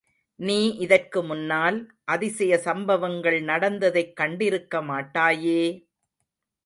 நீ இதற்கு முன்னால், அதிசய சம்பவங்கள் நடந்ததைக்கண்டிருக்க மாட்டாயே!